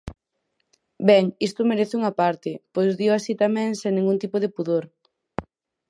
Ben, isto merece un aparte, pois dío así tamén sen ningún tipo de pudor.